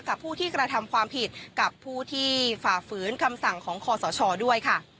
ผู้ที่กระทำความผิดกับผู้ที่ฝ่าฝืนคำสั่งของคอสชด้วยค่ะ